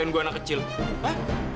kenas dengan dia